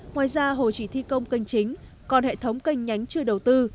ngoài ra hồ chỉ thi công kênh chính còn hệ thống kênh nhánh chưa đầu tư